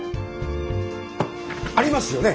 ありますよね